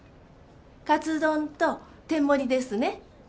カツ丼と天盛りですね。